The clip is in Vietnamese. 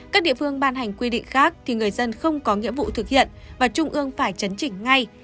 các địa phương ban hành quy định khác thì người dân không có nghĩa vụ thực hiện và trung ương phải chấn chỉnh ngay